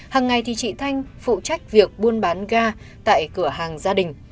hằng ngày thì chị thanh phụ trách việc buôn bán ga tại cửa hàng gia đình